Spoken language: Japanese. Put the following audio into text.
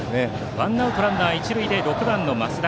ワンアウトランナー、一塁で６番の増田。